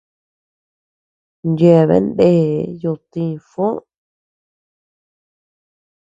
Yeabean ndee duytï Fo.